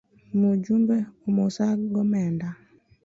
Mujumbe omosa go omenda.